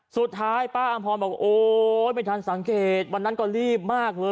สุดท้ายป้าอำพรบอกโอ๊ยไม่ทันสังเกตวันนั้นก็รีบมากเลย